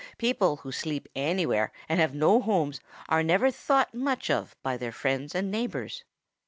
People who sleep anywhere and have no homes are never thought much of by their friends and neighbors.